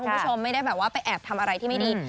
คุณผู้ชมไม่ได้แบบว่าไปแอบทำอะไรที่ไม่ดี